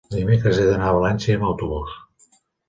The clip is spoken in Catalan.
Dimecres he d'anar a València amb autobús.